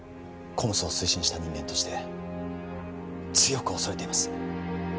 ＣＯＭＳを推進した人間として強く恐れています